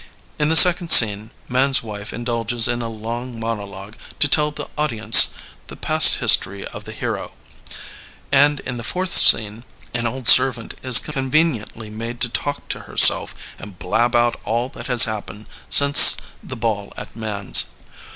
In the second scene Man's wife indulges in a long mono logue to tell the audience the past history of the hero ; and in the fourth scene an old servant is con LEONID ANDREYEV 25 veniently made to talk to herself and blab out all that has happened since the Ball at Man's.